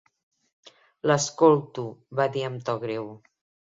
"L'escolto", va dir amb to greu.